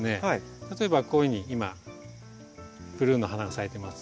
例えばこういうふうに今ブルーの花が咲いてます。